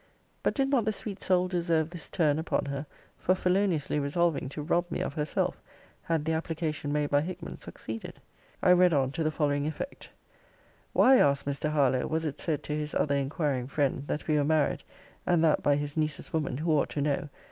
But did not the sweet soul deserve this turn upon her, for feloniously resolving to rob me of herself, had the application made by Hickman succeeded? I read on to the following effect: 'Why (asked Mr. Harlowe) was it said to his other inquiring friend, that we were married; and that by his niece's woman, who ought to know?